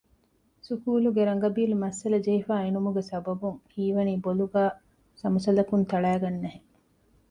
ސުކޫލުގެ ރަނގަބީލު މައްސަލަ ޖެހިފައި އިނުމުގެ ސަބަބުން ހީވަނީ ބޮލުގައި ސަމުސަލަކުން ތަޅައިގަންނަހެން